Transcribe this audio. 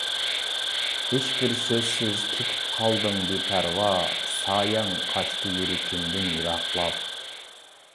ھېچبىر سۆزسىز كېتىپ قالدىڭ بىپەرۋا، سايەڭ قاچتى يۈرىكىمدىن يىراقلاپ.